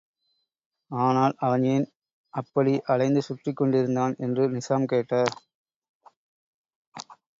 ஆனால், அவன் ஏன் அப்படி அலைந்து சுற்றிக் கொண்டிருந்தான்! என்று நிசாம் கேட்டார்.